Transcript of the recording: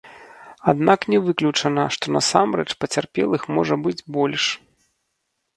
Аднак не выключана, што насамрэч пацярпелых можа быць больш.